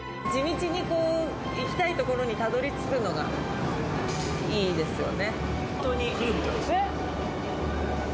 地道にこう行きたいところにたどり着くのがいいですよね。